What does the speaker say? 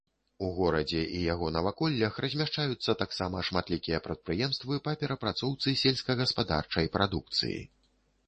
У горадзе і яго наваколлях размяшчаюцца таксама шматлікія прадпрыемствы па перапрацоўцы сельскагаспадарчай прадукцыі.